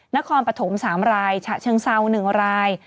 นครปฐม๓รายฉะเชิงเซา๑ราย